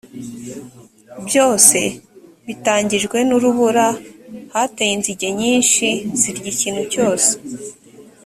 byose bitangijwe n urubura hateye inzige nyinshi zirya ikintu cyose